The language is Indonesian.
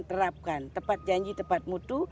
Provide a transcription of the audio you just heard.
terapkan tepat janji tepat mutu